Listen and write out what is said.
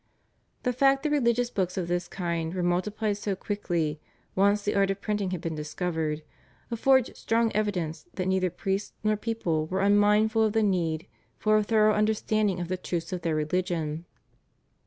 The fact that religious books of this kind were multiplied so quickly, once the art of printing had been discovered, affords strong evidence that neither priests nor people were unmindful of the need for a thorough understanding of the truths of their religion.